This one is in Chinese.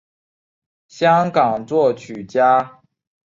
香港作曲家。